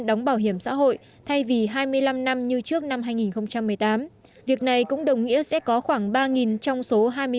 đóng bảo hiểm xã hội thay vì hai mươi năm năm như trước năm hai nghìn một mươi tám việc này cũng đồng nghĩa sẽ có khoảng ba trong số hai mươi ba